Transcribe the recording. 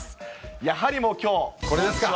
やはりもうきょう、これですか。